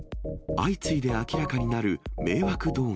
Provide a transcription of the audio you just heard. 相次いで明らかになる迷惑動画。